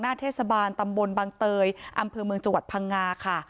เทศบาลตำบลบังเตยอำเภอเมืองจังหวัดพังงาค่ะ